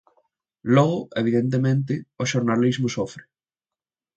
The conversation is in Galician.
Logo, evidentemente, o xornalismo sofre.